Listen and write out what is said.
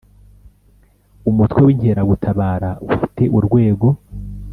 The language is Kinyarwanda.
Umutwe w Inkeragutabara ufite urwego